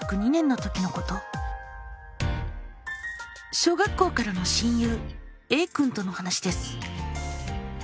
小学校からの親友Ａくんとの話です。